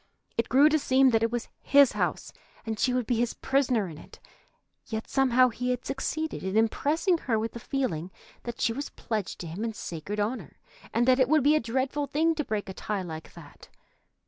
It grew to seem that it was his house, and she would be his prisoner in it. Yet somehow he had succeeded in impressing her with the feeling that she was pledged to him in sacred honor, and that it would be a dreadful thing to break a tie like that.